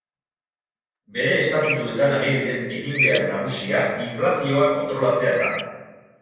Bere estatutuetan ageri den eginbehar nagusia inflazioa kontrolatzea da.